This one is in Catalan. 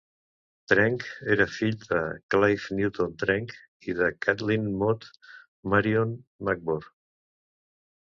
Trench era el fill de Clive Newcome Trench i de Kathleen Maud, Marion McIvor.